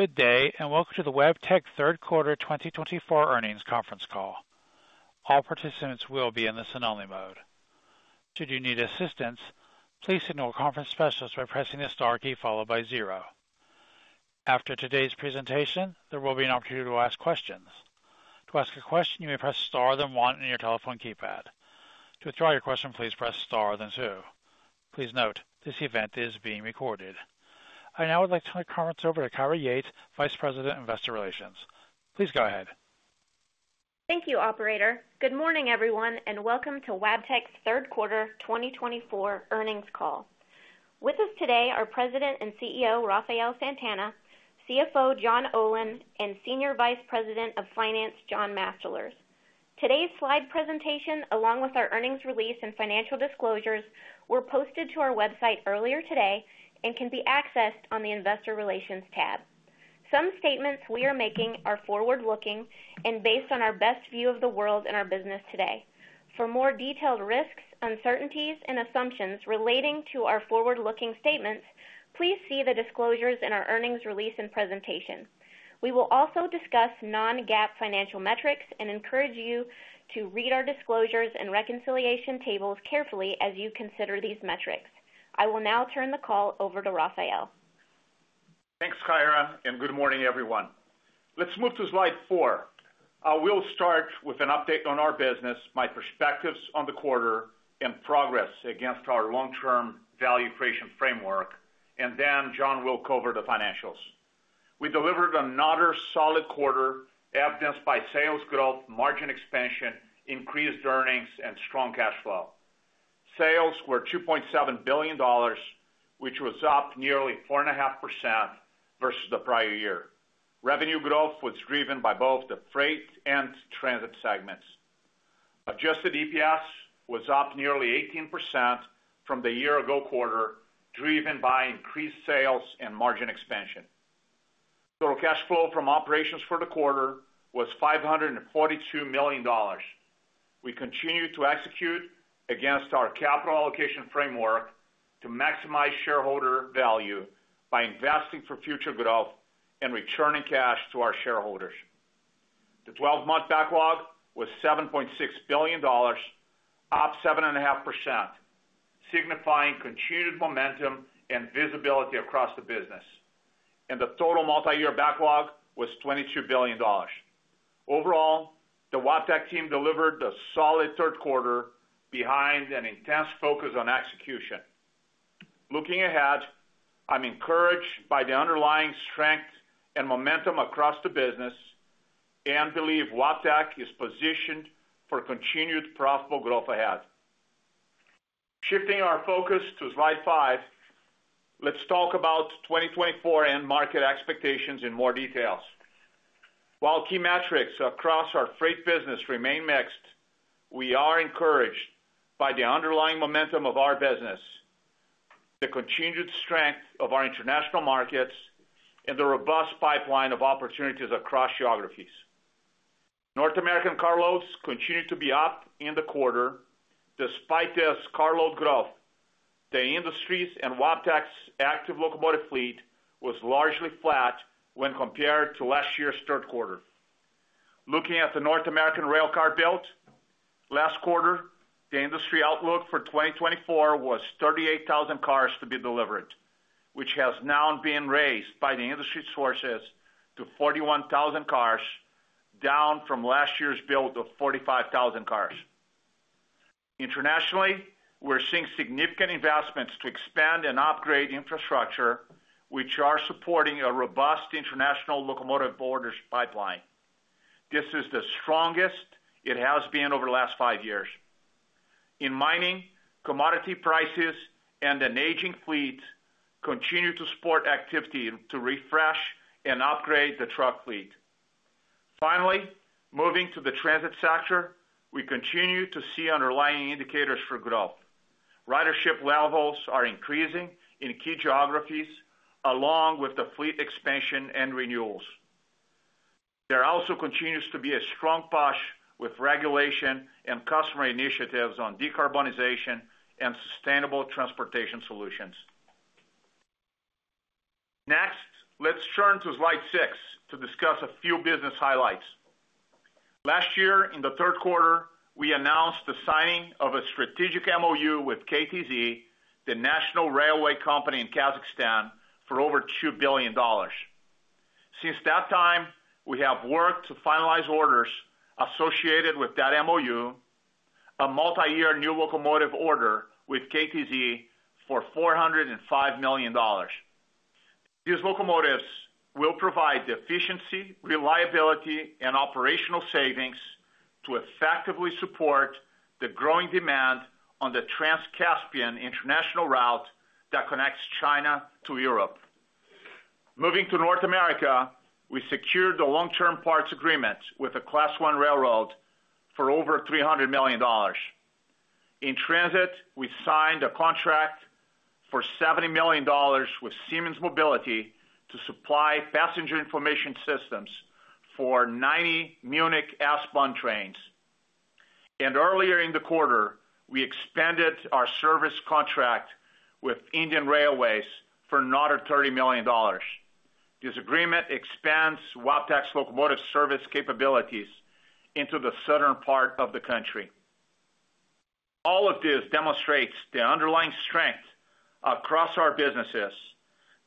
Good day, and welcome to the Wabtec third quarter twenty twenty-four earnings conference call. All participants will be in the listen-only mode. Should you need assistance, please signal a conference specialist by pressing the star key followed by zero. After today's presentation, there will be an opportunity to ask questions. To ask a question, you may press star, then one on your telephone keypad. To withdraw your question, please press star, then two. Please note, this event is being recorded. I now would like to turn the conference over to Kyra Yates, Vice President, Investor Relations. Please go ahead. Thank you, operator. Good morning, everyone, and welcome to Wabtec's third quarter 2024 earnings call. With us today are President and CEO, Rafael Santana, CFO, John Olin, and Senior Vice President of Finance, John Mastalerz. Today's slide presentation, along with our earnings release and financial disclosures, were posted to our website earlier today and can be accessed on the Investor Relations tab. Some statements we are making are forward-looking and based on our best view of the world and our business today. For more detailed risks, uncertainties, and assumptions relating to our forward-looking statements, please see the disclosures in our earnings release and presentation. We will also discuss non-GAAP financial metrics and encourage you to read our disclosures and reconciliation tables carefully as you consider these metrics. I will now turn the call over to Rafael. Thanks, Kyra, and good morning, everyone. Let's move to slide four. I will start with an update on our business, my perspectives on the quarter and progress against our long-term value creation framework, and then John will cover the financials. We delivered another solid quarter, evidenced by sales growth, margin expansion, increased earnings, and strong cash flow. Sales were $2.7 billion, which was up nearly 4.5% versus the prior year. Revenue growth was driven by both the freight and transit segments. Adjusted EPS was up nearly 18% from the year ago quarter, driven by increased sales and margin expansion. Total cash flow from operations for the quarter was $542 million. We continue to execute against our capital allocation framework to maximize shareholder value by investing for future growth and returning cash to our shareholders. The 12-month backlog was $7.6 billion, up 7.5%, signifying continued momentum and visibility across the business, and the total multi-year backlog was $22 billion. Overall, the Wabtec team delivered the solid third quarter behind an intense focus on execution. Looking ahead, I'm encouraged by the underlying strength and momentum across the business and believe Wabtec is positioned for continued profitable growth ahead. Shifting our focus to slide five, let's talk about 2024 end market expectations in more details. While key metrics across our freight business remain mixed, we are encouraged by the underlying momentum of our business, the continued strength of our international markets, and the robust pipeline of opportunities across geographies. North American carloads continued to be up in the quarter. Despite this carload growth, the industries and Wabtec's active locomotive fleet was largely flat when compared to last year's third quarter. Looking at the North American rail car build, last quarter, the industry outlook for 2024 was 38,000 cars to be delivered, which has now been raised by the industry sources to 41,000 cars, down from last year's build of 45,000 cars. Internationally, we're seeing significant investments to expand and upgrade infrastructure, which are supporting a robust international locomotive orders pipeline. This is the strongest it has been over the last five years. In mining, commodity prices and an aging fleet continue to support activity to refresh and upgrade the truck fleet. Finally, moving to the transit sector, we continue to see underlying indicators for growth. Ridership levels are increasing in key geographies, along with the fleet expansion and renewals. There also continues to be a strong push with regulation and customer initiatives on decarbonization and sustainable transportation solutions. Next, let's turn to slide six to discuss a few business highlights. Last year, in the third quarter, we announced the signing of a strategic MOU with KTZ, the National Railway Company in Kazakhstan, for over $2 billion. Since that time, we have worked to finalize orders associated with that MOU, a multi-year new locomotive order with KTZ for $405 million. These locomotives will provide the efficiency, reliability, and operational savings to effectively support the growing demand on the Trans-Caspian International Route that connects China to Europe. Moving to North America, we secured a long-term parts agreement with a Class I railroad for over $300 million. In transit, we signed a contract for $70 million with Siemens Mobility to supply passenger information systems for 90 Munich S-Bahn trains. And earlier in the quarter, we expanded our service contract with Indian Railways for another $30 million. This agreement expands Wabtec's locomotive service capabilities into the southern part of the country. All of this demonstrates the underlying strength across our businesses,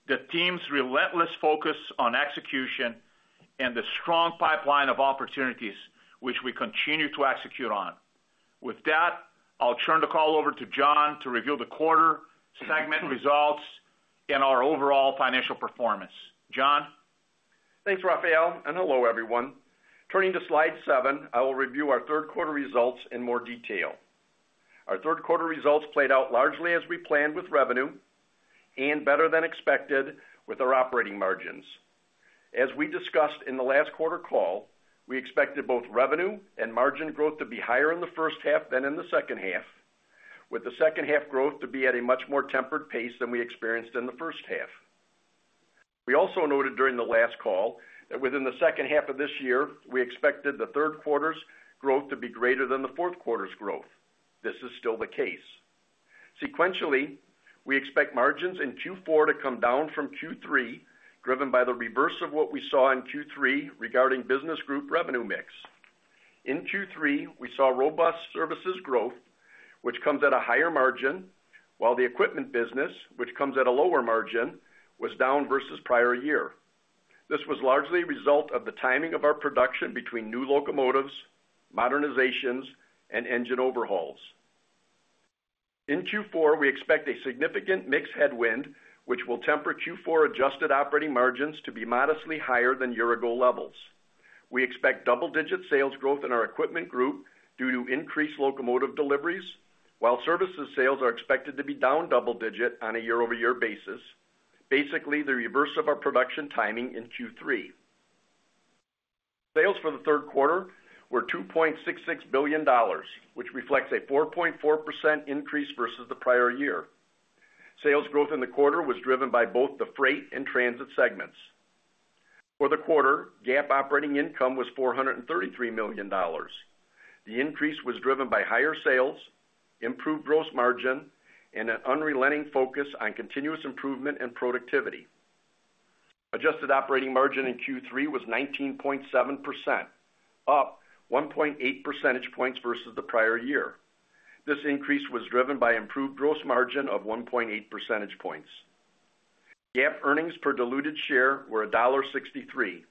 the team's relentless focus on execution, and the strong pipeline of opportunities which we continue to execute on. With that, I'll turn the call over to John to review the quarter, segment results, and our overall financial performance. John? Thanks, Rafael, and hello, everyone. Turning to slide seven, I will review our third quarter results in more detail. Our third quarter results played out largely as we planned with revenue and better than expected with our operating margins. As we discussed in the last quarter call, we expected both revenue and margin growth to be higher in the first half than in the second half, with the second half growth to be at a much more tempered pace than we experienced in the first half. We also noted during the last call that within the second half of this year, we expected the third quarter's growth to be greater than the fourth quarter's growth. This is still the case. Sequentially, we expect margins in Q4 to come down from Q3, driven by the reverse of what we saw in Q3 regarding business group revenue mix. In Q3, we saw robust services growth, which comes at a higher margin, while the equipment business, which comes at a lower margin, was down versus prior year. This was largely a result of the timing of our production between new locomotives, modernizations, and engine overhauls. In Q4, we expect a significant mix headwind, which will temper Q4 adjusted operating margins to be modestly higher than year-ago levels. We expect double-digit sales growth in our equipment group due to increased locomotive deliveries, while services sales are expected to be down double digit on a year-over-year basis. Basically, the reverse of our production timing in Q3. Sales for the third quarter were $2.66 billion, which reflects a 4.4% increase versus the prior year. Sales growth in the quarter was driven by both the freight and transit segments. For the quarter, GAAP operating income was $433 million. The increase was driven by higher sales, improved gross margin, and an unrelenting focus on continuous improvement and productivity. Adjusted operating margin in Q3 was 19.7%, up 1.8 percentage points versus the prior year. This increase was driven by improved gross margin of 1.8 percentage points. GAAP earnings per diluted share were $1.63,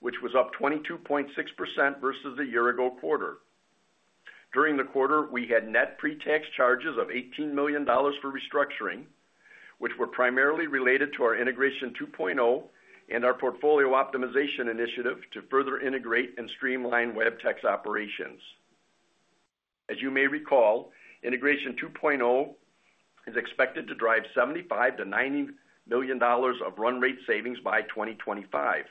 which was up 22.6% versus the year-ago quarter. During the quarter, we had net pre-tax charges of $18 million for restructuring, which were primarily related to our Integration 2.0 and our portfolio optimization initiative to further integrate and streamline Wabtec's operations. As you may recall, Integration 2.0 is expected to drive $75-$90 million of run rate savings by 2025,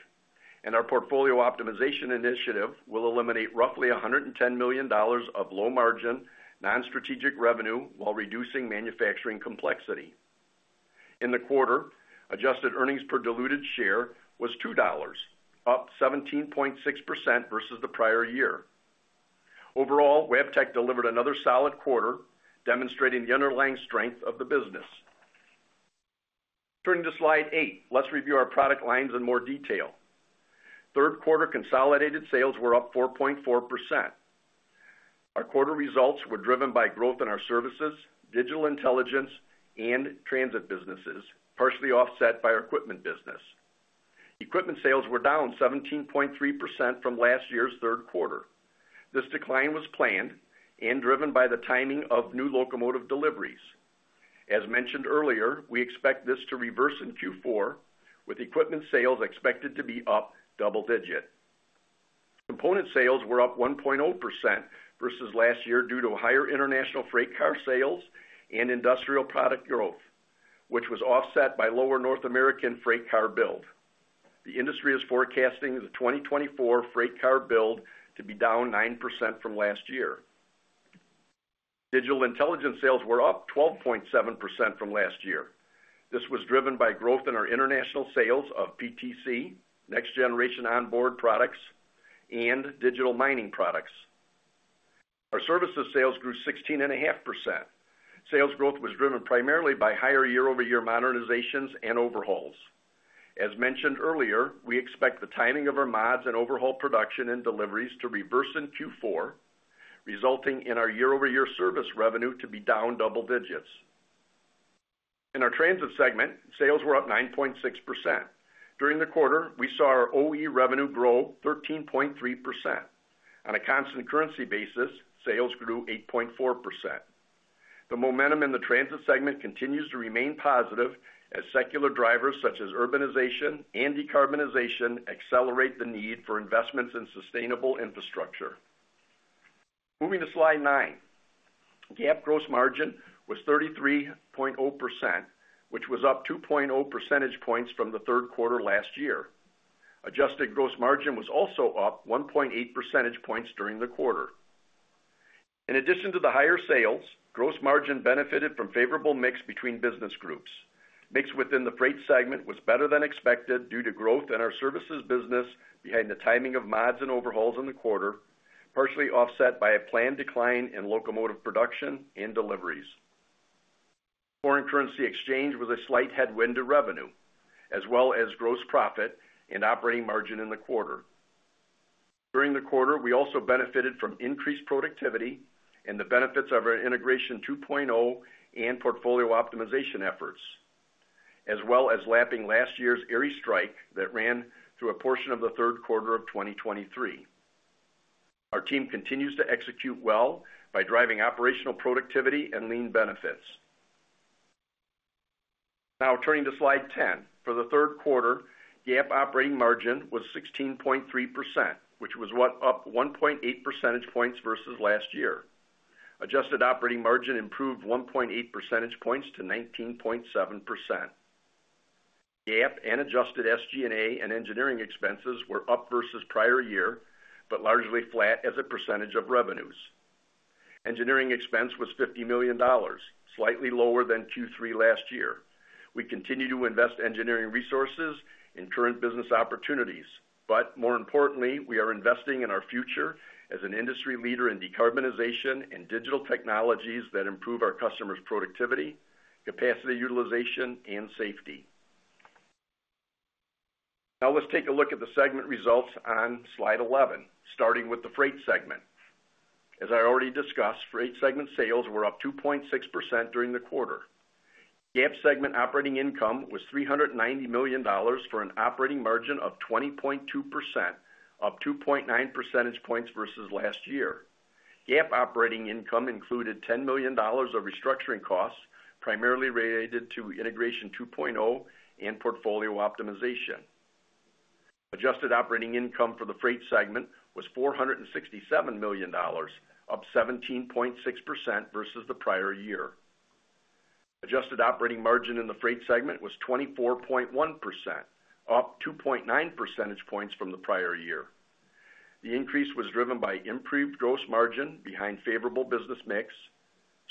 and our portfolio optimization initiative will eliminate roughly $110 million of low margin, non-strategic revenue while reducing manufacturing complexity. In the quarter, adjusted earnings per diluted share was $2, up 17.6% versus the prior year. Overall, Wabtec delivered another solid quarter, demonstrating the underlying strength of the business. Turning to Slide 8, let's review our product lines in more detail. Third quarter consolidated sales were up 4.4%. Our quarter results were driven by growth in our services, digital intelligence, and transit businesses, partially offset by our equipment business. Equipment sales were down 17.3% from last year's third quarter. This decline was planned and driven by the timing of new locomotive deliveries. As mentioned earlier, we expect this to reverse in Q4, with equipment sales expected to be up double digit. Component sales were up 1.0% versus last year due to higher international freight car sales and industrial product growth, which was offset by lower North American freight car build. The industry is forecasting the 2024 freight car build to be down 9% from last year. Digital intelligence sales were up 12.7% from last year. This was driven by growth in our international sales of PTC, next generation onboard products, and digital mining products. Our services sales grew 16.5%. Sales growth was driven primarily by higher year-over-year modernizations and overhauls. As mentioned earlier, we expect the timing of our mods and overhaul production and deliveries to reverse in Q4, resulting in our year-over-year service revenue to be down double digits. In our transit segment, sales were up 9.6%. During the quarter, we saw our OE revenue grow 13.3%. On a constant currency basis, sales grew 8.4%. The momentum in the transit segment continues to remain positive as secular drivers, such as urbanization and decarbonization, accelerate the need for investments in sustainable infrastructure. Moving to slide nine. GAAP gross margin was 33.0%, which was up 2.0 percentage points from the third quarter last year. Adjusted gross margin was also up 1.8 percentage points during the quarter. In addition to the higher sales, gross margin benefited from favorable mix between business groups. Mix within the freight segment was better than expected due to growth in our services business behind the timing of mods and overhauls in the quarter, partially offset by a planned decline in locomotive production and deliveries. Foreign currency exchange was a slight headwind to revenue, as well as gross profit and operating margin in the quarter. During the quarter, we also benefited from increased productivity and the benefits of our Integration 2.0 and portfolio optimization efforts, as well as lapping last year's Erie strike that ran through a portion of the third quarter of 2023. Our team continues to execute well by driving operational productivity and lean benefits. Now turning to slide 10. For the third quarter, GAAP operating margin was 16.3%, which was what? Up 1.8 percentage points versus last year. Adjusted operating margin improved 1.8 percentage points to 19.7%. GAAP and adjusted SG&A and engineering expenses were up versus prior year, but largely flat as a percentage of revenues. Engineering expense was $50 million, slightly lower than Q3 last year. We continue to invest engineering resources in current business opportunities, but more importantly, we are investing in our future as an industry leader in decarbonization and digital technologies that improve our customers' productivity, capacity, utilization, and safety. Now, let's take a look at the segment results on slide 11, starting with the Freight segment. As I already discussed, Freight segment sales were up 2.6% during the quarter. GAAP segment operating income was $390 million, for an operating margin of 20.2%, up 2.9 percentage points versus last year. GAAP operating income included $10 million of restructuring costs, primarily related to Integration 2.0 and portfolio optimization. Adjusted operating income for the Freight segment was $467 million, up 17.6% versus the prior year. Adjusted operating margin in the Freight segment was 24.1%, up 2.9 percentage points from the prior year. The increase was driven by improved gross margin behind favorable business mix,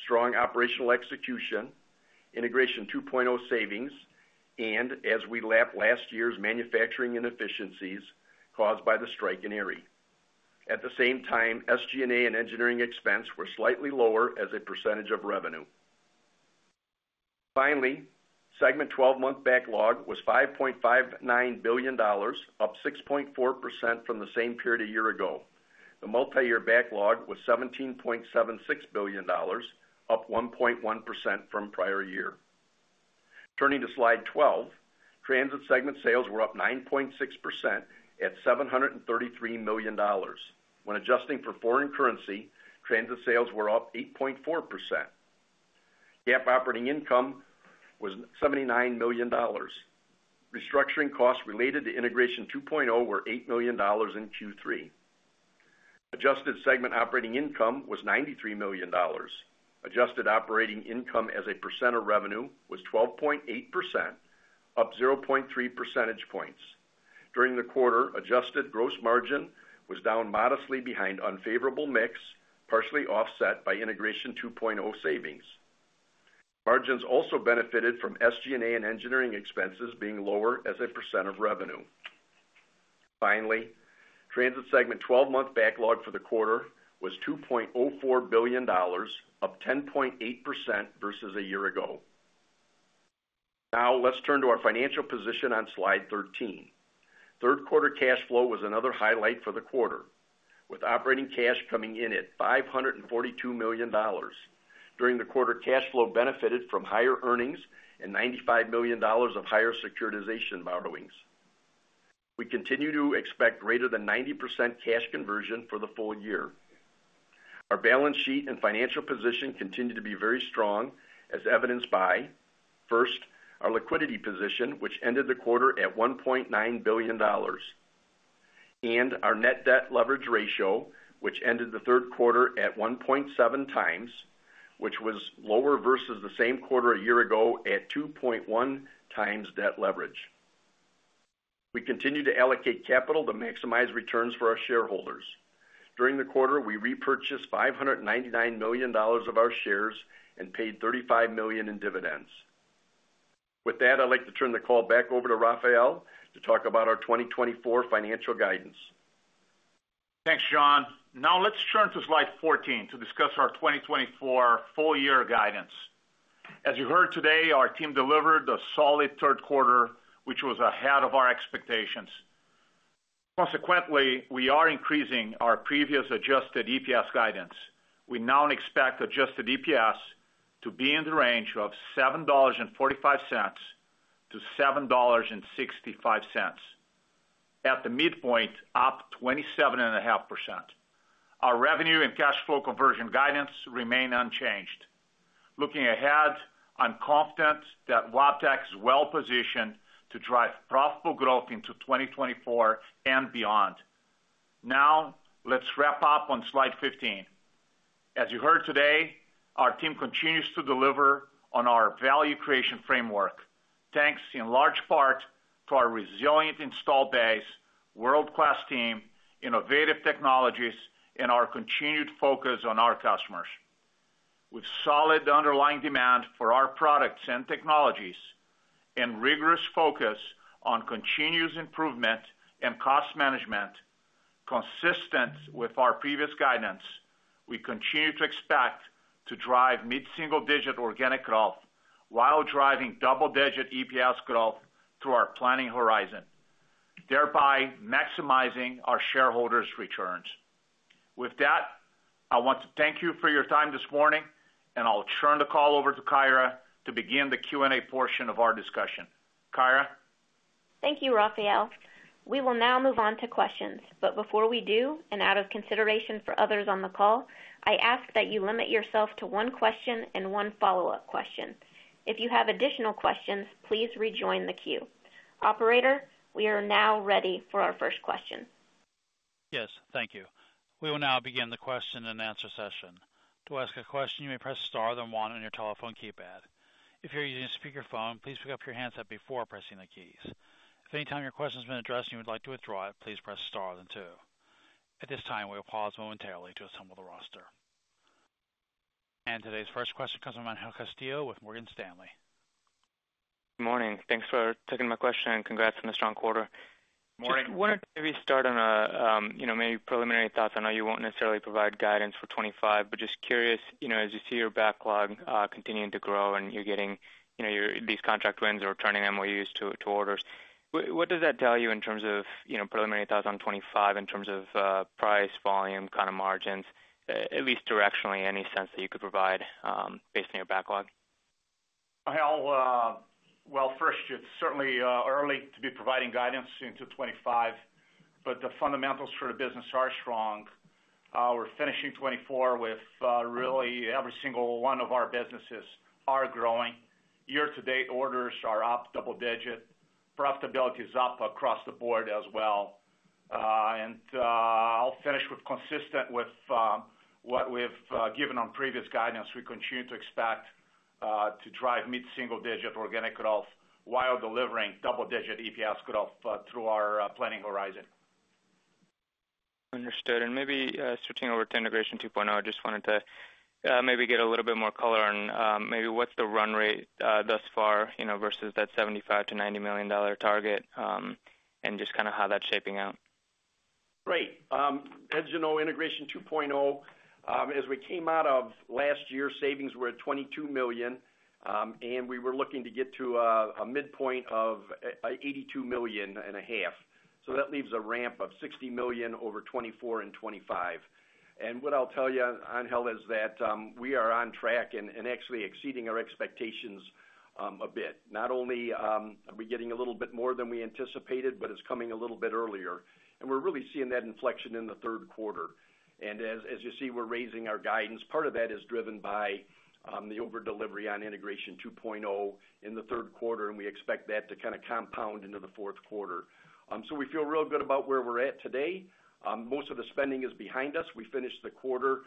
strong operational execution, Integration 2.0 savings, and as we lapped last year's manufacturing inefficiencies caused by the strike in Erie. At the same time, SG&A and engineering expense were slightly lower as a percentage of revenue. Finally, segment 12-month backlog was $5.59 billion, up 6.4% from the same period a year ago. The multi-year backlog was $17.76 billion, up 1.1% from prior year. Turning to Slide 12, Transit segment sales were up 9.6% at $733 million. When adjusting for foreign currency, Transit sales were up 8.4%. GAAP operating income was $79 million. Restructuring costs related to Integration 2.0 were $8 million in Q3. Adjusted segment operating income was $93 million. Adjusted operating income as a percent of revenue was 12.8%, up 0.3 percentage points. During the quarter, adjusted gross margin was down modestly behind unfavorable mix, partially offset by Integration 2.0 savings. Margins also benefited from SG&A and engineering expenses being lower as a percent of revenue. Finally, Transit segment 12-month backlog for the quarter was $2.04 billion, up 10.8% versus a year ago. Now, let's turn to our financial position on slide 13. Third quarter cash flow was another highlight for the quarter, with operating cash coming in at $542 million. During the quarter, cash flow benefited from higher earnings and $95 million of higher securitization borrowings. We continue to expect greater than 90% cash conversion for the full year. Our balance sheet and financial position continue to be very strong, as evidenced by, first, our liquidity position, which ended the quarter at $1.9 billion, and our net debt leverage ratio, which ended the third quarter at 1.7 times, which was lower versus the same quarter a year ago at 2.1 times debt leverage. We continue to allocate capital to maximize returns for our shareholders. During the quarter, we repurchased $599 million of our shares and paid $35 million in dividends. With that, I'd like to turn the call back over to Rafael to talk about our 2024 financial guidance. Thanks, John. Now, let's turn to slide fourteen to discuss our 2024 year guidance. As you heard today, our team delivered a solid third quarter, which was ahead of our expectations. Consequently, we are increasing our previous adjusted EPS guidance. We now expect adjusted EPS to be in the range of $7.45-$7.65, at the midpoint, up 27.5%. Our revenue and cash flow conversion guidance remain unchanged. Looking ahead, I'm confident that Wabtec is well positioned to drive profitable growth into twenty twenty-four and beyond. Now, let's wrap up on slide fifteen. As you heard today, our team continues to deliver on our value creation framework, thanks in large part to our resilient installed base-world-class team, innovative technologies, and our continued focus on our customers. With solid underlying demand for our products and technologies and rigorous focus on continuous improvement and cost management, consistent with our previous guidance, we continue to expect to drive mid-single digit organic growth while driving double-digit EPS growth through our planning horizon, thereby maximizing our shareholders' returns. With that, I want to thank you for your time this morning, and I'll turn the call over to Kyra to begin the Q&A portion of our discussion. Kyra? Thank you, Rafael. We will now move on to questions, but before we do, and out of consideration for others on the call, I ask that you limit yourself to one question and one follow-up question. If you have additional questions, please rejoin the queue. Operator, we are now ready for our first question. Yes, thank you. We will now begin the question and answer session. To ask a question, you may press star, then one on your telephone keypad. If you're using a speakerphone, please pick up your handset before pressing the keys. If any time your question has been addressed, and you would like to withdraw it, please press star then two. At this time, we will pause momentarily to assemble the roster, and today's first question comes from Angel Castillo with Morgan Stanley. Good morning. Thanks for taking my question, and congrats on the strong quarter. Morning. Just wanted to maybe start on, you know, maybe preliminary thoughts. I know you won't necessarily provide guidance for 2025, but just curious, you know, as you see your backlog continuing to grow and you're getting, you know, these contract wins or turning MOUs to orders, what does that tell you in terms of, you know, preliminary thoughts on 2025, in terms of price, volume, kind of margins, at least directionally, any sense that you could provide based on your backlog? First, it's certainly early to be providing guidance into 2025, but the fundamentals for the business are strong. We're finishing 2024 with really every single one of our businesses are growing. Year-to-date orders are up double-digit. Profitability is up across the board as well. And I'll finish with, consistent with what we've given on previous guidance. We continue to expect to drive mid-single-digit organic growth while delivering double-digit EPS growth through our planning horizon. Understood, and maybe switching over to Integration 2.0, I just wanted to maybe get a little bit more color on maybe what's the run rate thus far, you know, versus that $75 million-$90 million target, and just kind of how that's shaping out. Great. As you know, Integration 2.0, as we came out of last year, savings were at $22 million, and we were looking to get to a midpoint of $82.5 million. So that leaves a ramp of $60 million over 2024 and 2025. And what I'll tell you, Angel, is that we are on track and actually exceeding our expectations a bit. Not only are we getting a little bit more than we anticipated, but it's coming a little bit earlier, and we're really seeing that inflection in the third quarter. And as you see, we're raising our guidance. Part of that is driven by the over delivery on Integration 2.0 in the third quarter, and we expect that to kind of compound into the fourth quarter. So we feel real good about where we're at today. Most of the spending is behind us. We finished the quarter,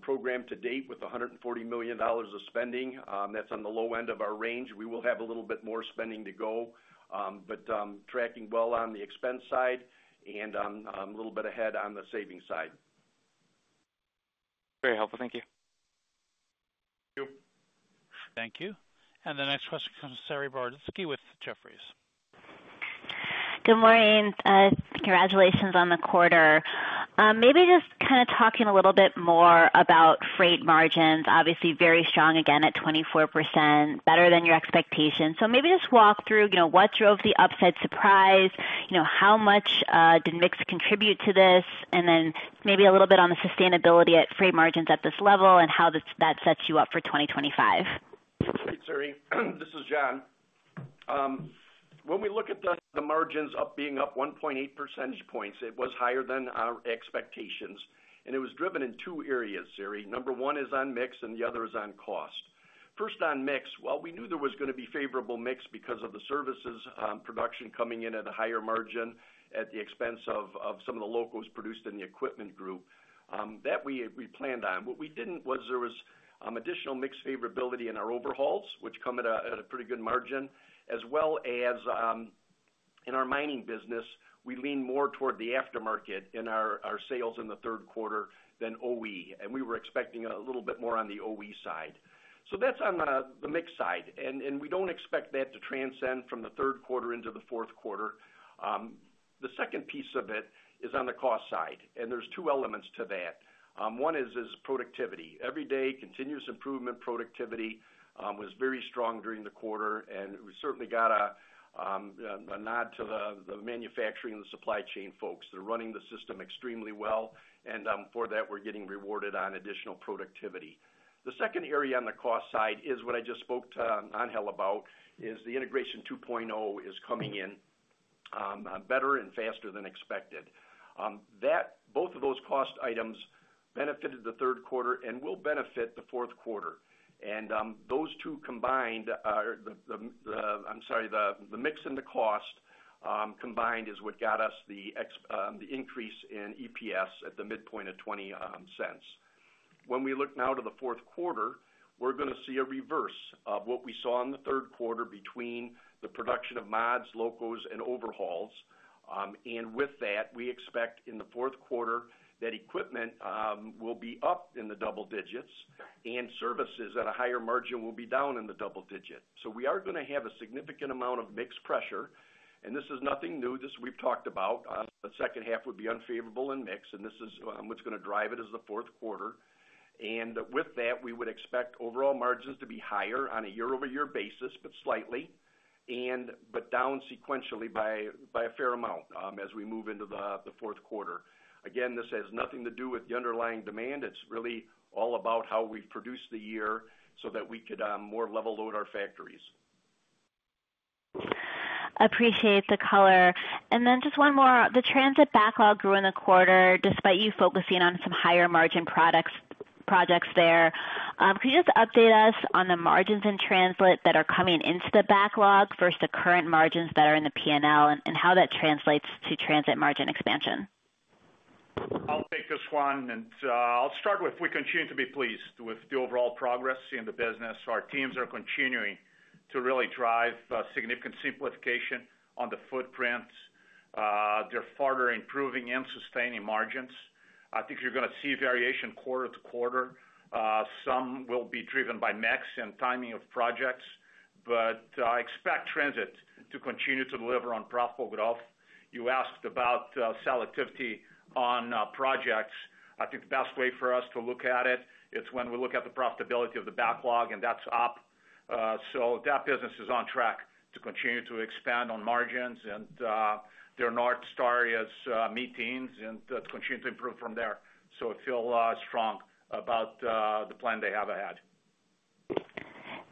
program to date with $140 million of spending. That's on the low end of our range. We will have a little bit more spending to go, but tracking well on the expense side and a little bit ahead on the saving side. Very helpful. Thank you. Thank you. Thank you. And the next question comes Saree Boroditsky with Jefferies. Good morning. Congratulations on the quarter. Maybe just kind of talking a little bit more about freight margins. Obviously, very strong, again at 24%, better than your expectations. So maybe just walk through, you know, what drove the upside surprise? You know, how much did mix contribute to this? And then maybe a little bit on the sustainability at freight margins at this level and how that sets you up for 2025. Great, Saree. This is John. When we look at the margins being up 1.8 percentage points, it was higher than our expectations, and it was driven in two areas, Saree. Number one is on mix, and the other is on cost. First, on mix, while we knew there was gonna be favorable mix because of the services production coming in at a higher margin at the expense of some of the locos produced in the equipment group that we planned on. What we didn't was there was additional mix favorability in our overhauls, which come at a pretty good margin, as well as in our mining business, we lean more toward the aftermarket in our sales in the third quarter than OE, and we were expecting a little bit more on the OE side. So that's on the mix side, and we don't expect that to transcend from the third quarter into the fourth quarter. The second piece of it is on the cost side, and there's two elements to that. One is productivity. Every day, continuous improvement productivity was very strong during the quarter, and we certainly got a nod to the manufacturing and supply chain folks. They're running the system extremely well, and for that, we're getting rewarded on additional productivity. The second area on the cost side is what I just spoke to Angel about, is the Integration 2.0 coming in better and faster than expected. Both of those cost items benefited the third quarter and will benefit the fourth quarter. And those two combined are the, I'm sorry, the mix and the cost combined is what got us the increase in EPS at the midpoint of $0.20. When we look now to the fourth quarter, we're gonna see a reverse of what we saw in the third quarter between the production of mods, locos, and overhauls. With that, we expect in the fourth quarter that equipment will be up in the double digits, and services at a higher margin will be down in the double digits. So we are gonna have a significant amount of mixed pressure, and this is nothing new. This we've talked about. The second half would be unfavorable in mix, and this is what's gonna drive it as the fourth quarter. With that, we would expect overall margins to be higher on a year-over-year basis, but slightly, and down sequentially by a fair amount, as we move into the fourth quarter. Again, this has nothing to do with the underlying demand. It's really all about how we've produced the year so that we could more level load our factories. Appreciate the color. And then just one more. The transit backlog grew in the quarter, despite you focusing on some higher margin products, projects there. Could you just update us on the margins in transit that are coming into the backlog versus the current margins that are in the P&L, and how that translates to transit margin expansion? I'll take this one, and I'll start with, we continue to be pleased with the overall progress in the business. Our teams are continuing to really drive significant simplification on the footprints. They're further improving and sustaining margins. I think you're gonna see variation quarter to quarter. Some will be driven by mix and timing of projects, but I expect transit to continue to deliver on profitable growth. You asked about selectivity on projects. I think the best way for us to look at it, it's when we look at the profitability of the backlog, and that's up. So that business is on track to continue to expand on margins, and their North Star is mid-teens and continue to improve from there. So I feel strong about the plan they have ahead.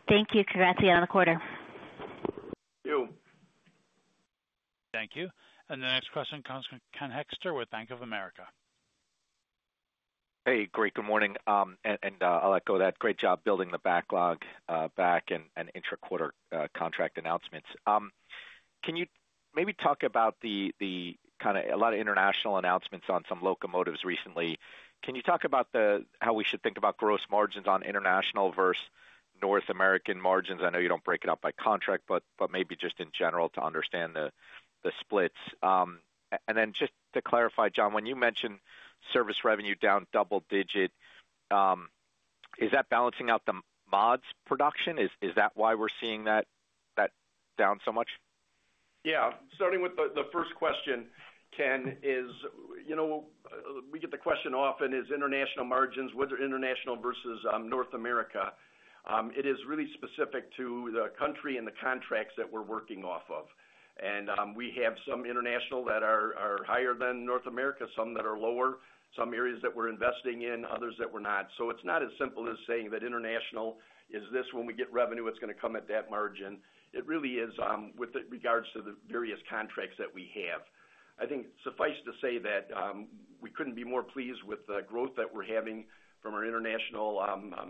Thank you. That's the end of the quarter. Thank you. Thank you. And the next question comes from Ken Hoexter with Bank of America. Hey, great, good morning. And I'll let go of that. Great job building the backlog, back and intra-quarter contract announcements. Can you maybe talk about the kind of a lot of international announcements on some locomotives recently? Can you talk about the how we should think about gross margins on international versus North American margins? I know you don't break it up by contract, but maybe just in general to understand the splits. And then just to clarify, John, when you mentioned service revenue down double-digit, is that balancing out the mods production? Is that why we're seeing that down so much? Yeah. Starting with the first question, Ken, is, you know, we get the question often, is international margins, whether international versus North America. It is really specific to the country and the contracts that we're working off of. And we have some international that are higher than North America, some that are lower, some areas that we're investing in, others that we're not. So it's not as simple as saying that international is this when we get revenue, it's gonna come at that margin. It really is with regards to the various contracts that we have. I think suffice to say that we couldn't be more pleased with the growth that we're having from our international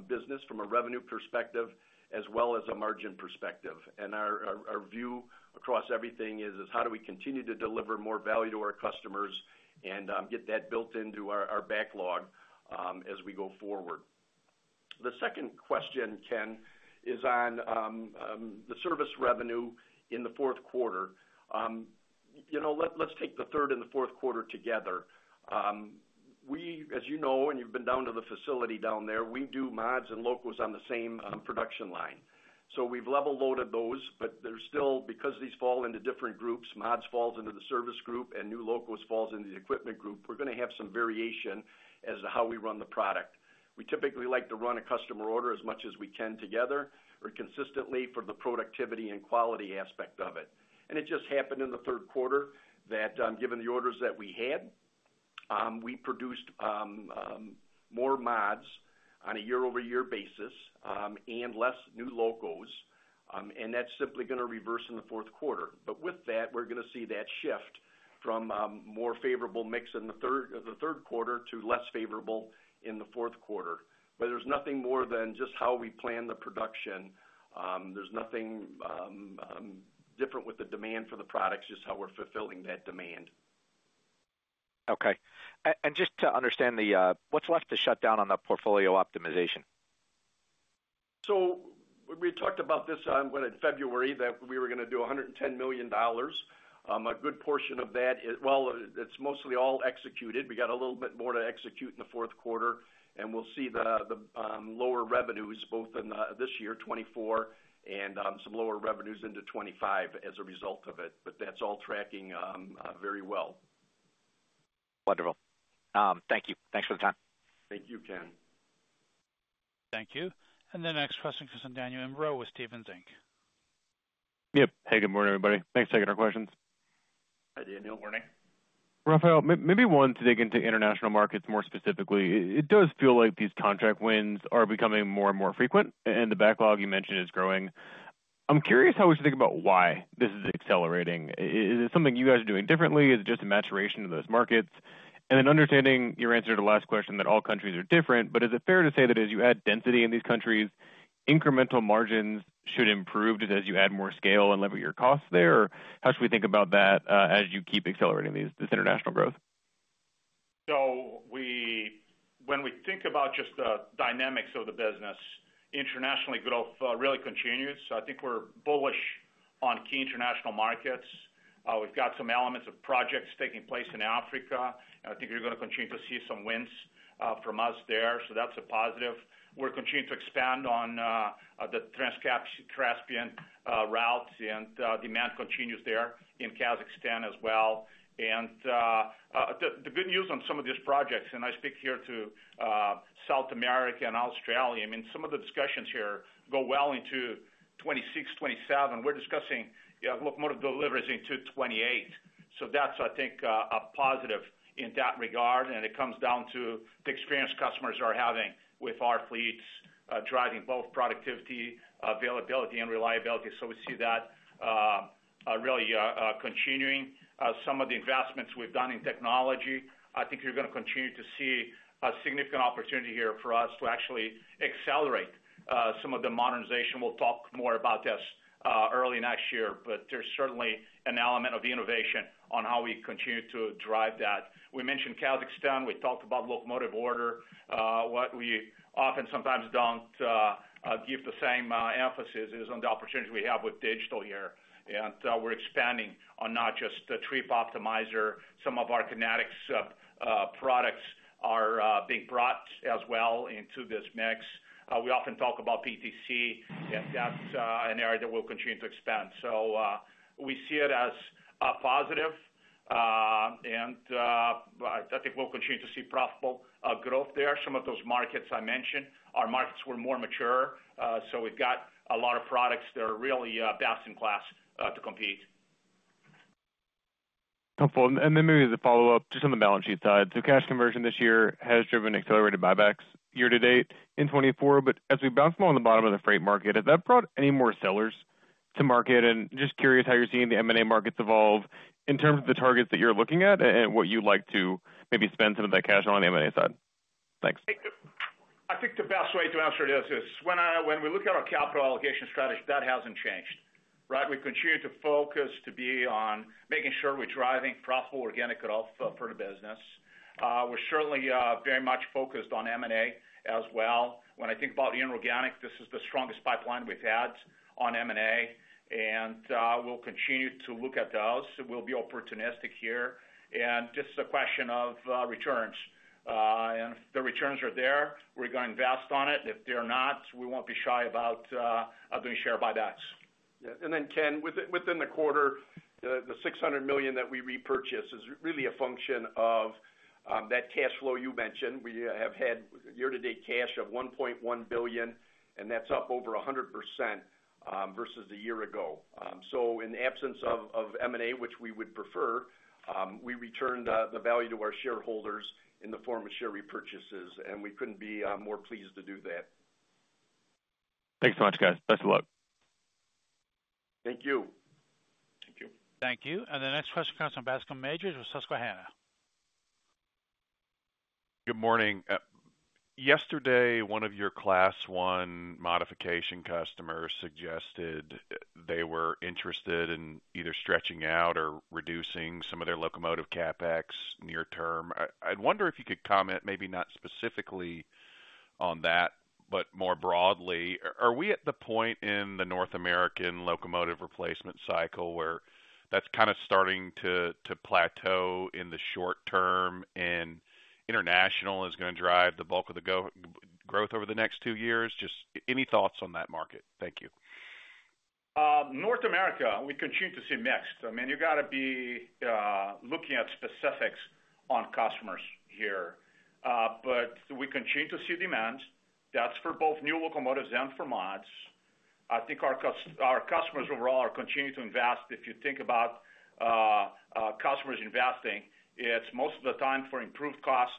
business, from a revenue perspective, as well as a margin perspective. Our view across everything is how do we continue to deliver more value to our customers and get that built into our backlog as we go forward. The second question, Ken, is on the service revenue in the fourth quarter. You know, and you've been down to the facility down there, we do mods and locos on the same production line. So we've level loaded those, but there's still, because these fall into different groups, mods falls into the service group and new locos falls into the equipment group, we're gonna have some variation as to how we run the product. We typically like to run a customer order as much as we can together or consistently for the productivity and quality aspect of it. And it just happened in the third quarter that, given the orders that we had, we produced more mods on a year-over-year basis, and less new locos. And that's simply gonna reverse in the fourth quarter. But with that, we're gonna see that shift from more favorable mix in the third quarter to less favorable in the fourth quarter. But there's nothing more than just how we plan the production. There's nothing different with the demand for the products, just how we're fulfilling that demand. Okay, and just to understand what's left to shut down on the Portfolio Optimization? So we talked about this, when in February, that we were gonna do $110 million. A good portion of that is - well, it's mostly all executed. We got a little bit more to execute in the fourth quarter, and we'll see the lower revenues, both in this year, 2024, and some lower revenues into 2025 as a result of it. But that's all tracking very well. Wonderful. Thank you. Thanks for the time. Thank you, Ken. Thank you. And the next question comes from Daniel Imbro with Stephens Inc. Yep. Hey, good morning, everybody. Thanks for taking our questions. Hi, Daniel. Good morning. Rafael, maybe one to dig into international markets more specifically. It does feel like these contract wins are becoming more and more frequent, and the backlog you mentioned is growing. I'm curious how we should think about why this is accelerating. Is it something you guys are doing differently? Is it just a maturation of those markets? And then understanding your answer to the last question, that all countries are different, but is it fair to say that as you add density in these countries, incremental margins should improve just as you add more scale and lever your costs there? Or how should we think about that, as you keep accelerating this international growth? So we think about just the dynamics of the business, international growth really continues. I think we're bullish on key international markets. We've got some elements of projects taking place in Africa, and I think you're gonna continue to see some wins from us there. So that's a positive. We're continuing to expand on the Trans-Caspian routes, and demand continues there in Kazakhstan as well. And the good news on some of these projects, and I speak here to South America and Australia, I mean, some of the discussions here go well into 2026, 2027. We're discussing locomotive deliveries into 2028. So that's, I think, a positive in that regard, and it comes down to the experience customers are having with our fleets driving both productivity, availability, and reliability. So we see that really continuing. Some of the investments we've done in technology, I think you're gonna continue to see a significant opportunity here for us to actually accelerate some of the modernization. We'll talk more about this early next year, but there's certainly an element of innovation on how we continue to drive that. We mentioned Kazakhstan, we talked about locomotive order. What we often sometimes don't give the same emphasis is on the opportunities we have with digital here, and we're expanding on not just the Trip Optimizer. Some of our KinetiX products are being brought as well into this mix. We often talk about PTC, and that's an area that we'll continue to expand. So we see it as a positive, and I think we'll continue to see profitable growth there. Some of those markets I mentioned, our markets were more mature, so we've got a lot of products that are really, best in class, to compete. Helpful. And then maybe as a follow-up, just on the balance sheet side. So cash conversion this year has driven accelerated buybacks year to date in 2024, but as we bounce more on the bottom of the freight market, has that brought any more sellers to market? And just curious how you're seeing the M&A markets evolve in terms of the targets that you're looking at and, and what you'd like to maybe spend some of that cash on, on the M&A side. Thanks. I think the best way to answer this is when we look at our capital allocation strategy, that hasn't changed, right? We continue to focus to be on making sure we're driving profitable organic growth for the business. We're certainly very much focused on M&A as well. When I think about inorganic, this is the strongest pipeline we've had on M&A, and we'll continue to look at those. We'll be opportunistic here, and just a question of returns. And if the returns are there, we're going to invest on it. If they're not, we won't be shy about doing share buybacks. Yeah, and then, Ken, within the quarter, the $600 million that we repurchased is really a function of that cash flow you mentioned. We have had year-to-date cash of $1.1 billion, and that's up over 100% versus a year ago. So in the absence of M&A, which we would prefer, we returned the value to our shareholders in the form of share repurchases, and we couldn't be more pleased to do that. Thanks so much, guys. Best of luck. Thank you. Thank you. Thank you. And the next question comes from Bascome Majors with Susquehanna. Good morning. Yesterday, one of your Class I modification customers suggested they were interested in either stretching out or reducing some of their locomotive CapEx near term. I wonder if you could comment, maybe not specifically on that, but more broadly, are we at the point in the North American locomotive replacement cycle where that's kind of starting to plateau in the short term, and international is gonna drive the bulk of the growth over the next two years? Just any thoughts on that market? Thank you. North America, we continue to see mix. I mean, you gotta be looking at specifics on customers here, but we continue to see demand. That's for both new locomotives and for mods. I think our customers overall are continuing to invest. If you think about customers investing, it's most of the time for improved costs,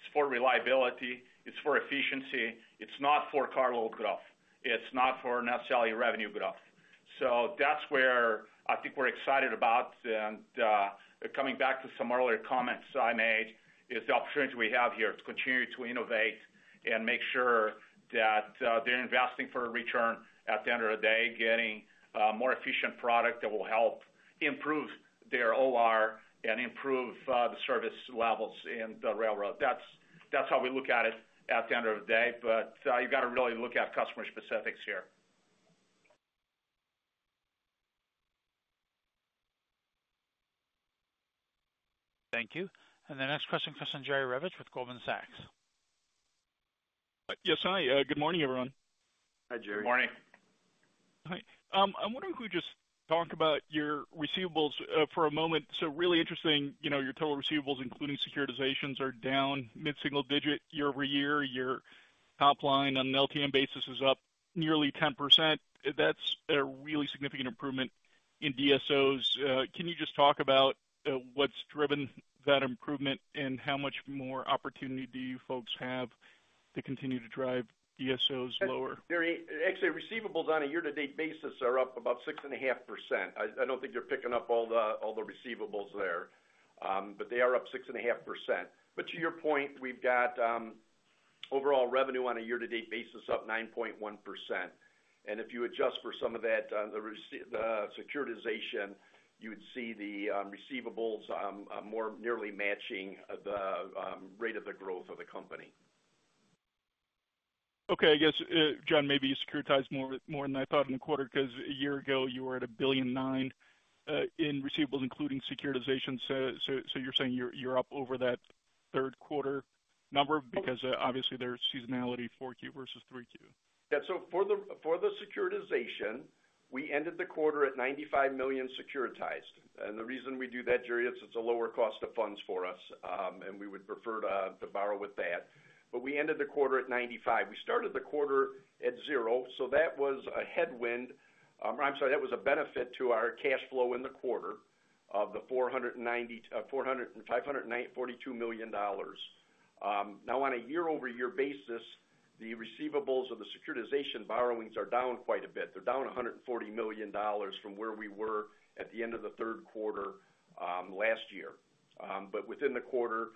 it's for reliability, it's for efficiency. It's not for cargo growth. It's not for necessarily revenue growth. So that's where I think we're excited about, and coming back to some earlier comments I made, is the opportunities we have here to continue to innovate and make sure that they're investing for a return at the end of the day, getting more efficient product that will help improve their OR and improve the service levels in the railroad. That's, that's how we look at it at the end of the day, but, you've got to really look at customer specifics here. Thank you. And the next question comes from Jerry Revich with Goldman Sachs. Yes, hi. Good morning, everyone. Hi, Jerry. Good morning. Hi. I'm wondering if we just talk about your receivables for a moment. Really interesting, you know, your total receivables, including securitizations, are down mid-single digit year over year. Your top line on an LTM basis is up nearly 10%. That's a really significant improvement in DSOs. Can you just talk about what's driven that improvement, and how much more opportunity do you folks have to continue to drive DSOs lower? Jerry, actually, receivables on a year-to-date basis are up about 6.5%. I don't think they're picking up all the receivables there, but they are up 6.5%. But to your point, we've got, over-revenue on a year-to-date basis, up 9.1%. And if you adjust for some of that, the securitization, you would see the receivables more nearly matching the rate of the growth of the company. Okay. I guess, John, maybe you securitized more than I thought in the quarter, 'cause a year ago, you were at $1.9 billion in receivables, including securitization. So you're saying you're up over that third quarter number? Because, obviously, there's seasonality, four Q versus three Q. Yeah. So for the securitization, we ended the quarter at $95 million securitized, and the reason we do that, Jerry, is it's a lower cost of funds for us, and we would prefer to borrow with that, but we ended the quarter at $95 million. We started the quarter at $0, so that was a headwind. I'm sorry, that was a benefit to our cash flow in the quarter of the $509 million. Now, on a year-over-year basis, the receivables of the securitization borrowings are down quite a bit. They're down $140 million from where we were at the end of the third quarter last year. But within the quarter,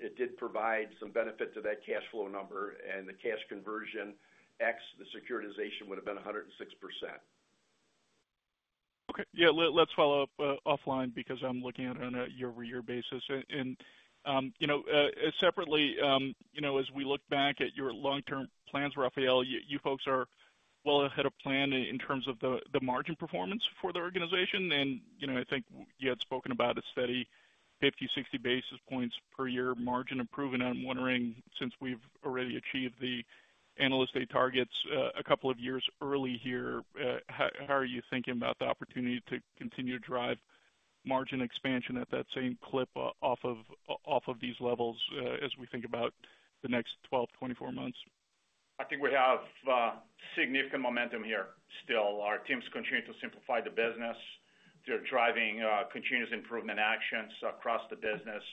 it did provide some benefit to that cash flow number, and the cash conversion ex the securitization would have been 106%. Okay. Yeah, let's follow up offline, because I'm looking at it on a year-over-year basis. And you know, separately, you know, as we look back at your long-term plans, Rafael, you folks are well ahead of plan in terms of the margin performance for the organization. And you know, I think you had spoken about a steady 50-60 basis points per year margin improvement. I'm wondering, since we've already achieved the Analyst Day targets a couple of years early here, how are you thinking about the opportunity to continue to drive margin expansion at that same clip off of these levels as we think about the next 12-24 months? I think we have significant momentum here still. Our teams continue to simplify the business. They're driving continuous improvement actions across the business,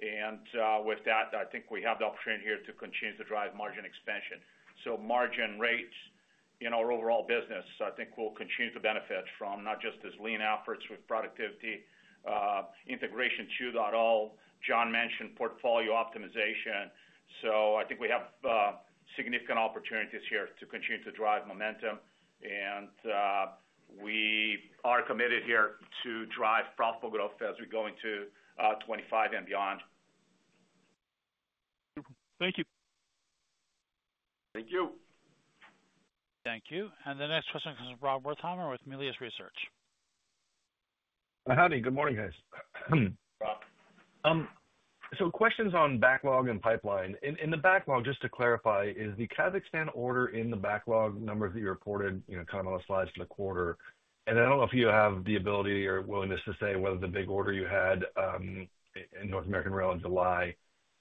and with that, I think we have the opportunity here to continue to drive margin expansion, so margin rates in our overall business, I think we'll continue to benefit from not just our lean efforts with productivity, Integration 2.0. John mentioned portfolio optimization, so I think we have significant opportunities here to continue to drive momentum, and we are committed here to drive profitable growth as we go into 2025 and beyond. Thank you. Thank you. Thank you. And the next question comes from Rob Wertheimer with Melius Research. Howdy. Good morning, guys. Rob. So questions on backlog and pipeline. In the backlog, just to clarify, is the Kazakhstan order in the backlog numbers that you reported, you know, kind of on the slides for the quarter? And I don't know if you have the ability or willingness to say whether the big order you had in North American Rail in July,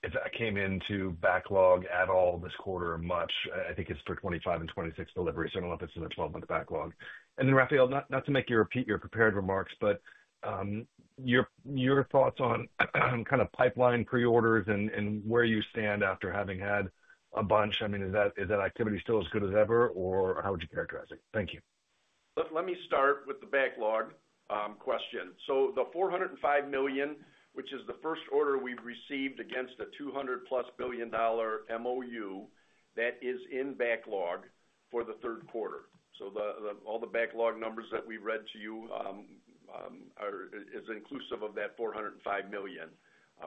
if that came into backlog at all this quarter or much. I think it's for 2025 and 2026 delivery, so I don't know if it's in the twelve-month backlog. And then, Rafael, not to make you repeat your prepared remarks, but your thoughts on, kind of pipeline pre-orders and where you stand after having had a bunch. I mean, is that activity still as good as ever, or how would you characterize it? Thank you. Let me start with the backlog question. So the $405 million, which is the first order we've received against a $200+ billion MOU, that is in backlog for the third quarter. So the, the all the backlog numbers that we read to you, are, is inclusive of that $405 million.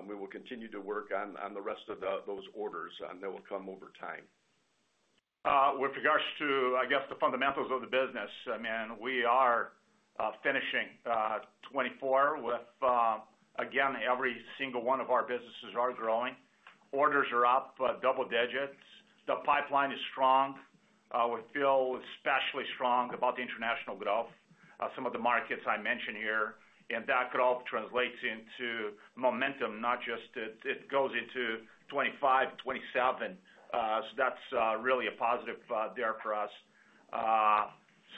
We will continue to work on the rest of those orders, and they will come over time. With regards to, I guess, the fundamentals of the business, I mean, we are finishing 2024 with again every single one of our businesses are growing. Orders are up double digits. The pipeline is strong. We feel especially strong about the international growth, some of the markets I mentioned here, and that growth translates into momentum, not just it, it goes into 2025, 2027. So that's really a positive there for us.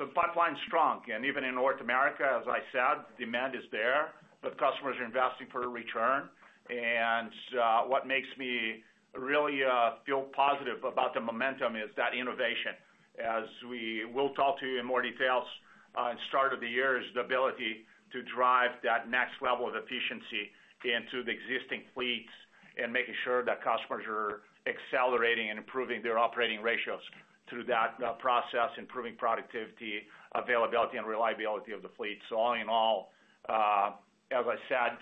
So the pipeline's strong, and even in North America, as I said, demand is there, but customers are investing for a return. What makes me really feel positive about the momentum is that innovation, as we will talk to you in more details in the start of the year, is the ability to drive that next level of efficiency into the existing fleets and making sure that customers are accelerating and improving their operating ratios through that process, improving productivity, availability, and reliability of the fleet. All in all, as I said,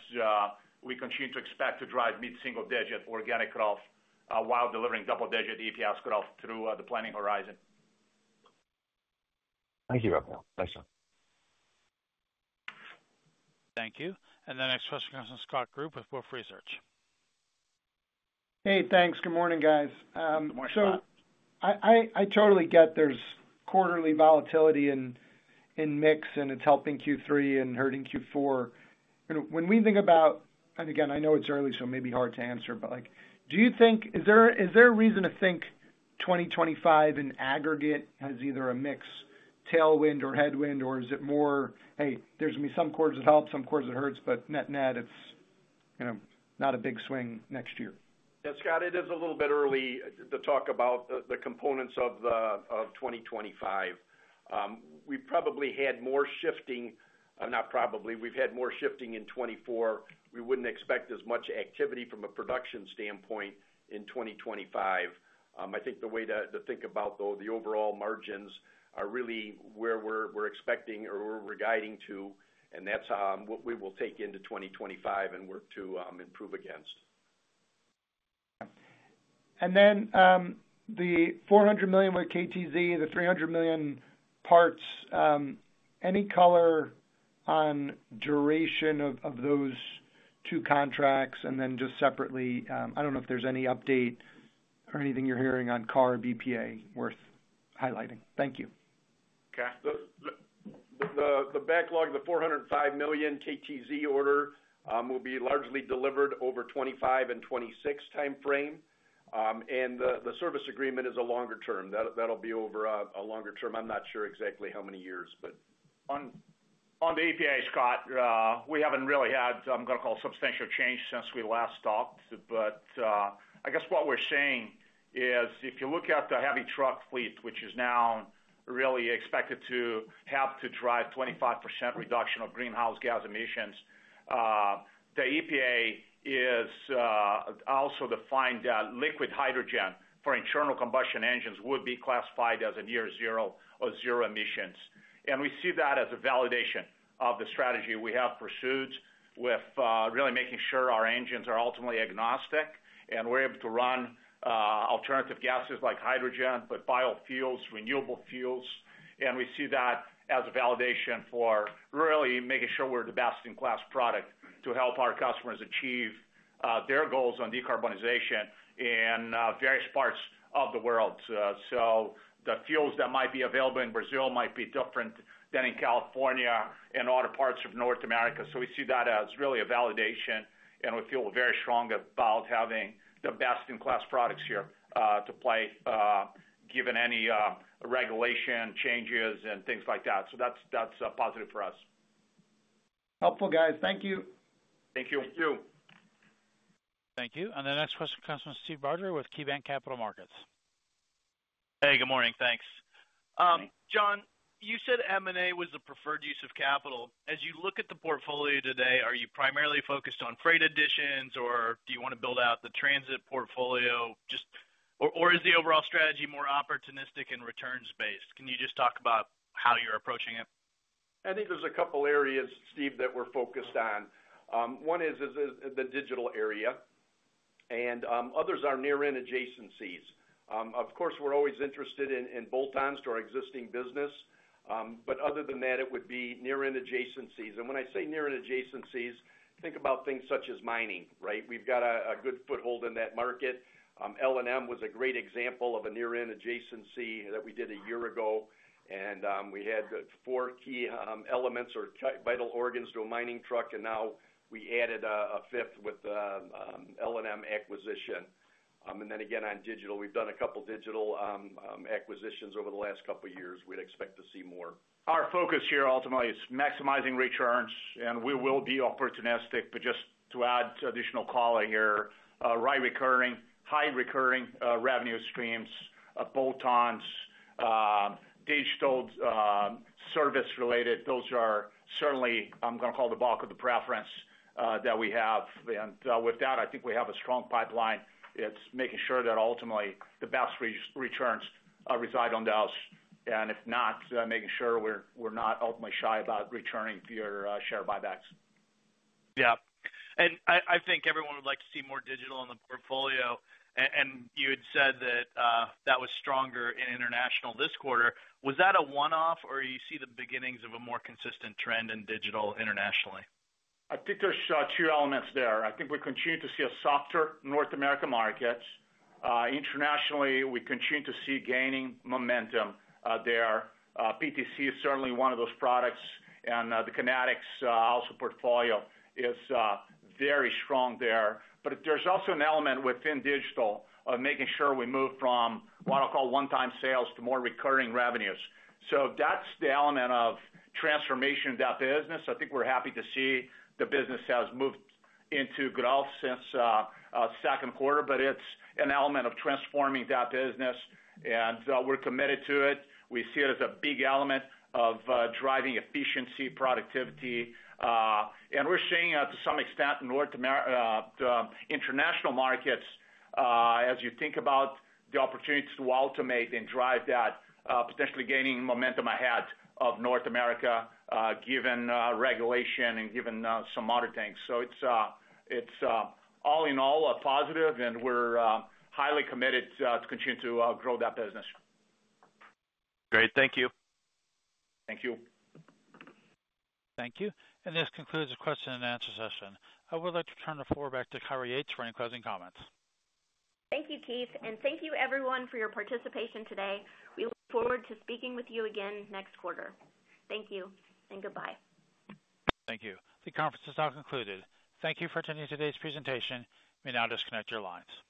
we continue to expect to drive mid-single digit organic growth while delivering double-digit EPS growth through the planning horizon. Thank you, Rafael. Thanks a lot. Thank you. The next question comes from Scott Group with Wolfe Research. Hey, thanks. Good morning, guys. Good morning, Scott. So I totally get there's quarterly volatility in mix, and it's helping Q3 and hurting Q4. When we think about, and again, I know it's early, so it may be hard to answer, but like, do you think? Is there a reason to think 2025 in aggregate has either a mix tailwind or headwind, or is it more, "Hey, there's gonna be some quarters that help, some quarters it hurts, but net-net, it's" you know, not a big swing next year? Yeah, Scott, it is a little bit early to talk about the components of 2025. We've probably had more shifting, not probably, we've had more shifting in 2024. We wouldn't expect as much activity from a production standpoint in 2025. I think the way to think about, though, the overall margins are really where we're expecting or we're guiding to, and that's what we will take into 2025 and work to improve against. Then, the $400 million with KTZ, the $300 million parts, any color on duration of those two contracts? And then just separately, I don't know if there's any update or anything you're hearing on CARB EPA worth highlighting. Thank you. Okay. The backlog, the $405 million KTZ order, will be largely delivered over 2025 and 2026 timeframe, and the service agreement is a longer term. That'll be over a longer term. I'm not sure exactly how many years, but. On the EPA, Scott, we haven't really had, I'm gonna call substantial change since we last talked. But, I guess what we're seeing is, if you look at the heavy truck fleet, which is now really expected to have to drive 25% reduction of greenhouse gas emissions, the EPA is also defined that liquid hydrogen for internal combustion engines would be classified as a near zero or zero emissions. And we see that as a validation of the strategy we have pursued with, really making sure our engines are ultimately agnostic, and we're able to run, alternative gases like hydrogen, but biofuels, renewable fuels. And we see that as a validation for really making sure we're the best-in-class product to help our customers achieve, their goals on decarbonization in, various parts of the world. So the fuels that might be available in Brazil might be different than in California and other parts of North America. So we see that as really a validation, and we feel very strong about having the best-in-class products here to play, given any regulation changes and things like that. So that's positive for us. Helpful, guys. Thank you. Thank you. Thank you. Thank you. And the next question comes from Steve Barger with KeyBanc Capital Markets. Hey, good morning, thanks. John, you said M&A was the preferred use of capital. As you look at the portfolio today, are you primarily focused on freight additions, or do you want to build out the transit portfolio? Just, or is the overall strategy more opportunistic and returns-based? Can you just talk about how you're approaching it? I think there's a couple areas, Steve, that we're focused on. One is the digital area, and others are near-end adjacencies. Of course, we're always interested in bolt-ons to our existing business, but other than that, it would be near-end adjacencies. And when I say near-end adjacencies, think about things such as mining, right? We've got a good foothold in that market. L&M was a great example of a near-end adjacency that we did a year ago, and we had four key elements or vital organs to a mining truck, and now we added a fifth with the L&M acquisition. And then again, on digital, we've done a couple digital acquisitions over the last couple of years. We'd expect to see more. Our focus here ultimately is maximizing returns, and we will be opportunistic, but just to add additional color here, right recurring, high recurring, revenue streams, bolt-ons, digital, service related, those are certainly, I'm gonna call, the bulk of the preference that we have, and with that, I think we have a strong pipeline. It's making sure that ultimately the best returns reside on those, and if not, making sure we're not ultimately shy about returning via share buybacks. Yeah. And I think everyone would like to see more digital in the portfolio, and you had said that was stronger in international this quarter. Was that a one-off, or you see the beginnings of a more consistent trend in digital internationally? I think there's two elements there. I think we continue to see a softer North America market. Internationally, we continue to see gaining momentum there. PTC is certainly one of those products, and the KinetiX also portfolio is very strong there. But there's also an element within digital of making sure we move from what I call one-time sales to more recurring revenues. So that's the element of transformation of that business. I think we're happy to see the business has moved into growth since second quarter, but it's an element of transforming that business, and we're committed to it. We see it as a big element of driving efficiency, productivity, and we're seeing to some extent international markets as you think about the opportunities to automate and drive that potentially gaining momentum ahead of North America given regulation and given some other things. So it's all in all a positive, and we're highly committed to continue to grow that business. Great. Thank you. Thank you. Thank you, and this concludes the question and answer session. I would like to turn the floor back to Kyra Yates for any closing comments. Thank you, Keith, and thank you everyone for your participation today. We look forward to speaking with you again next quarter. Thank you, and goodbye. Thank you. The conference is now concluded. Thank you for attending today's presentation. You may now disconnect your lines.